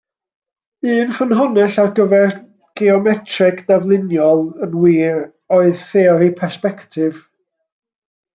Un ffynhonnell ar gyfer geometreg dafluniol, yn wir, oedd theori persbectif.